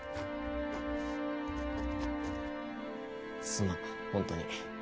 すまん本当に。